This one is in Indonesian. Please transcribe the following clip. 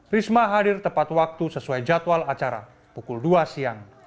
risma hadir tepat waktu sesuai jadwal acara pukul dua siang